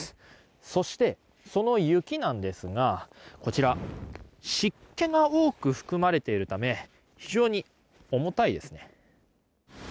そして、その雪なんですが湿気が多く含まれているため非常に重たいですね。